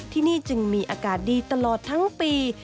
ที่นี่จึงมีอากาศดีตลอดทั้งปี